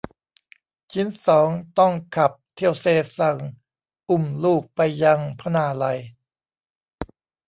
ชิ้นสองต้องขับเที่ยวเซซัง อุ้มลูกไปยังพนาไลย